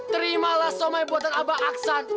terimalah soal buatan aba aksan